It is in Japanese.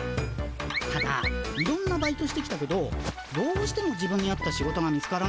ただいろんなバイトしてきたけどどうしても自分に合った仕事が見つからないだろ。